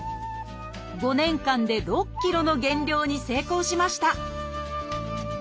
５年間で６ｋｇの減量に成功しました！